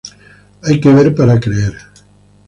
Hay que ver para creer